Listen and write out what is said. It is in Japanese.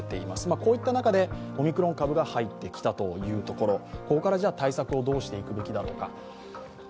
こういった中で、オミクロン株が入ってきたということここから対策をどうしていくべきだろうか。